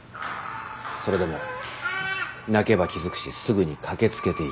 それでも泣けば気付くしすぐに駆けつけていた。